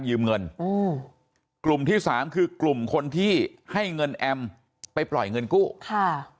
เงินอืมกลุ่มที่สามคือกลุ่มคนที่ให้เงินแอมไปปล่อยเงินกู้ค่ะ